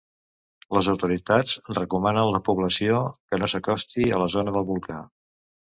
Les autoritats recomanen la població que no s’acosti a la zona del volcà.